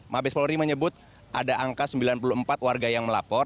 mabes polri menyebut ada angka sembilan puluh empat warga yang melapor